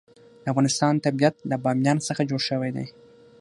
د افغانستان طبیعت له بامیان څخه جوړ شوی دی.